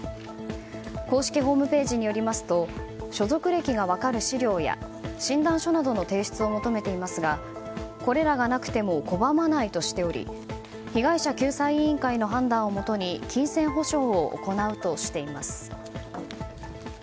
公式ホームページによりますと所属歴が分かる資料や診断書などの提出を求めていますがこれらがなくても拒まないとしており被害者救済委員会の判断をもとに金銭補償を行うとしています。